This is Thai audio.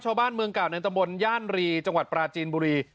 ชาวบ้านเมืองเก่าในตะบนย่านรีจังหวัดปราจีนบุรี